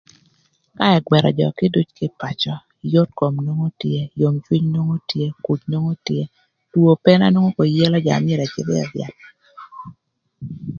Ka ëgwërö jö kiduc kï pacö yot kom nwongo tye, yom cwiny nwongo tye, kuc nwongo tye two ope na nwongo yelo dhanö më cïdhö ï öd yath.